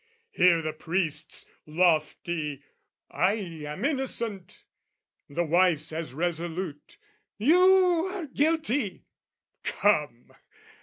Hear the priest's lofty "I am innocent," The wife's as resolute "You are guilty!" Come!